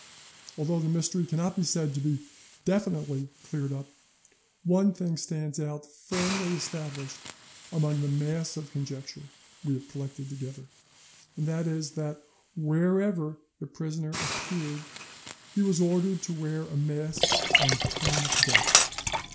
Although the mystery cannot be said to be definitely cleared up, one thing stands out firmly established among the mass of conjecture we have collected together, and that is, that wherever the prisoner appeared he was ordered to wear a mask on pain of death.